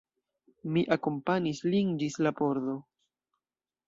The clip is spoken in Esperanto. Mi akompanis lin ĝis la pordo.